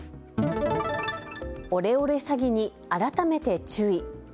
オレオレ詐欺に改めて注意。